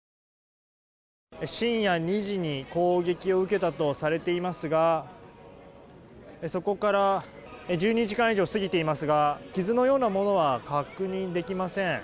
深夜２時に攻撃を受けたとされていますがそこから１２時間以上過ぎていますが傷のようなものは確認できません。